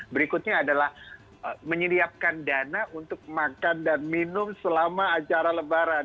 berikutnya adalah menyiapkan dana untuk makan dan minum selama acara lebaran